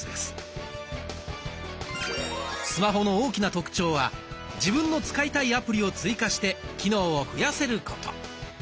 スマホの大きな特徴は自分の使いたいアプリを追加して機能を増やせること。